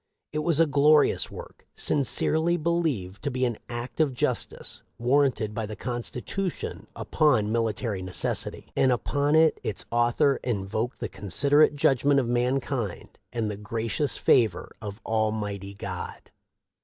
It was a glorious work, " sincerely believed to be an act of justice warranted by the constitution upon military necessity," and upon it its author " invoked the considerate judgment of mankind and the gracious favor of Almighty God."